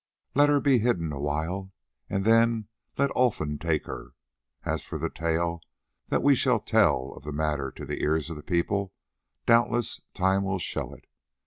Let her be hidden awhile, and then let Olfan take her. As for the tale that we shall tell of the matter to the ears of the people, doubtless time will show it.